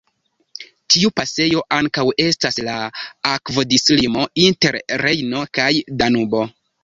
Tiu pasejo ankaŭ estas la akvodislimo inter Rejno kaj Danubo.